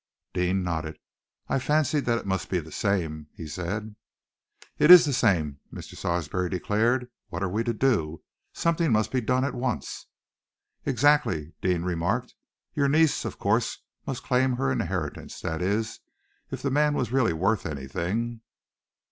Deane nodded. "I fancied that it must be the same," he said. "It is the same," Mr. Sarsby declared. "What are we to do? Something must be done at once!" "Exactly," Deane remarked. "Your niece, of course, must claim her inheritance that is, if the man was really worth anything."